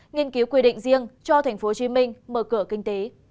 nghiên cứu quy định riêng cho tp hcm mở cửa kinh tế